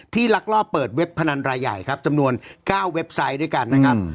ลักลอบเปิดเว็บพนันรายใหญ่ครับจำนวน๙เว็บไซต์ด้วยกันนะครับ